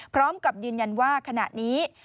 พร้อมกับยืนยันว่าขณะนี้